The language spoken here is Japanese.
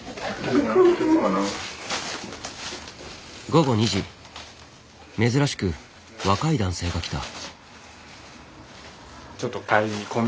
午後２時珍しく若い男性が来た。